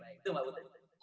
itu mbak butir